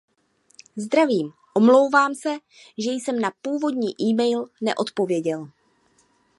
Zdravím, omlouvám se, že jsem na původní email neodpověděl.